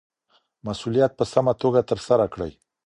مسووليت په سمه توګه ترسره کړئ